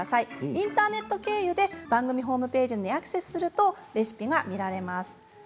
インターネット経由で番組ホームページにアクセスするとレシピが見られます。